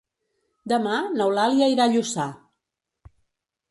Demà n'Eulàlia irà a Lluçà.